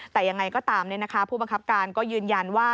แต่ยังไงก็ตามผู้บังคับการก็ยืนยันว่า